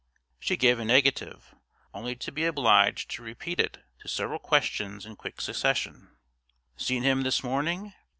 She gave a negative, only to be obliged to repeat it to several questions in quick succession. "Seen him this morning?"